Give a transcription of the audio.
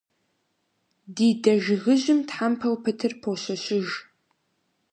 Ди дэ жыгыжьым тхьэмпэу пытыр пощэщыж.